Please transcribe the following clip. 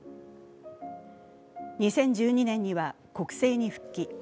２０１２年には国政に復帰。